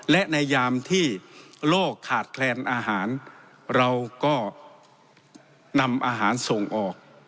และในยามที่โลกขาดแคลนอาหารเราก็นำอาหารส่งออก